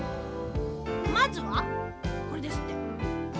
まずはこれですって。